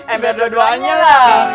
ember dua duanya lah